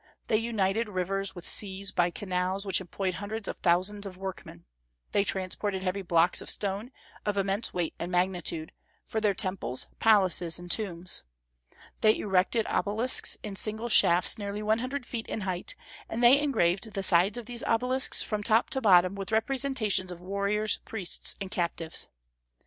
They united rivers with seas by canals which employed hundreds of thousands of workmen. They transported heavy blocks of stone, of immense weight and magnitude, for their temples, palaces, and tombs. They erected obelisks in single shafts nearly one hundred feet in height, and they engraved the sides of these obelisks from top to bottom with representations of warriors, priests, and captives.